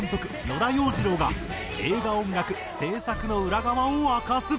野田洋次郎が映画音楽制作の裏側を明かす。